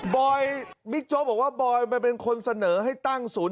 บิ๊กโจ๊กบอกว่าบอยมันเป็นคนเสนอให้ตั้งศูนย์